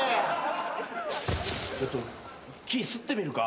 ちょっと木すってみるか。